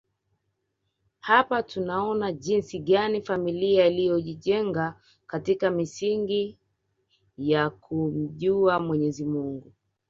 Hapa tunaona jinsi gani familia iliyojijenga katika misingi ya kumjua Mwenyezi Mungu